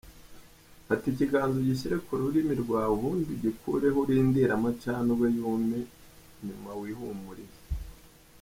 Fata ikiganza ugishyire ku rurimi rwawe ubundi ugikureho urindire amacandwe yume, nyuma wihumurize.